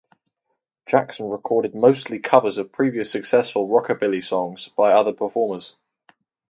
Jackson recorded mostly covers of previously successful Rockabilly songs by other performers.